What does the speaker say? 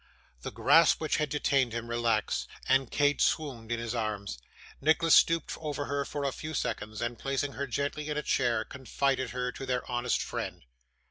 The grasp which had detained him relaxed, and Kate swooned in his arms. Nicholas stooped over her for a few seconds, and placing her gently in a chair, confided her to their honest friend.